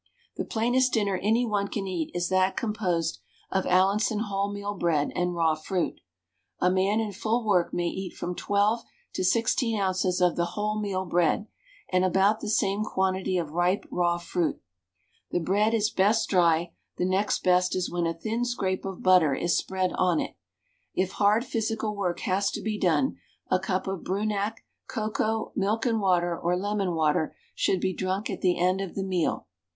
The plainest dinner any one can eat is that composed of Allinson wholemeal bread and raw fruit. A man in full work may eat from 12 to 16 oz. of the wholemeal bread, and about the same quantity of ripe raw fruit. The bread is best dry, the next best is when a thin scrape of butter is spread on it. If hard physical work has to be done, a cup of Brunak, cocoa, milk and water, or lemon water, should be drunk at the end of the meal.